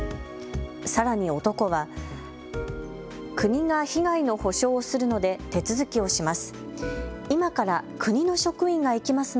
さらに男は国が被害の補償をするので手続きをします。